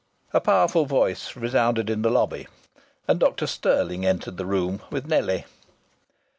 A powerful voice resounded in the lobby, and Dr Stirling entered the room with Nellie.